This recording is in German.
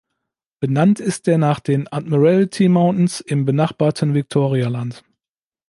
Benannt ist er nach den Admiralty Mountains im benachbarten Viktorialand.